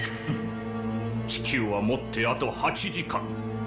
地球はもってあと８時間。